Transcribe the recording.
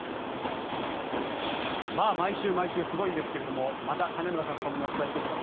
毎週毎週すごいんですけれどもまた金村さんと共にお伝えしていきます。